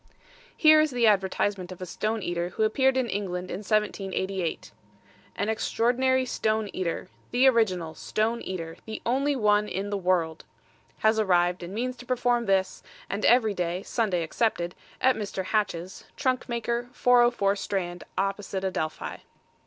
Here is the advertisement of a stone eater who appeared in England in 1788. An Extraordinary Stone Eater The Original STONE EATER The Only One in the World, Has arrived, and means to perform this, and every day (Sunday excepted) at Mr. Hatch's, trunk maker, 404 Strand, opposite Adelphi.